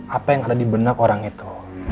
apa yang ada di benak orang itu